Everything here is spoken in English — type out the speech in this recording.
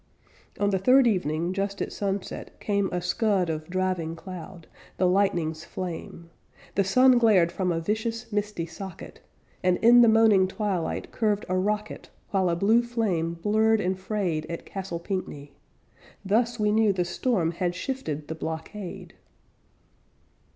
On the third evening, just at sunset, came A scud of driving cloud; the lightning's flame; The sun glared from a vicious, misty socket, And in the moaning twilight curved a rocket While a blue flame blurred and frayed At Castle Pinckney; thus we knew the storm Had shifted the blockade.